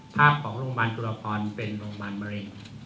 ภาพรหลวงบรรณคุณหลาพรเป็นโรงบันมะเร็ง